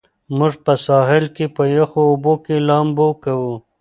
موږ په ساحل کې په یخو اوبو کې لامبو کوو.